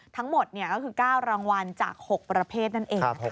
ทั้งหมดเนี่ยก็คือ๙รางวัลจาก๖ประเภทนั่นเอง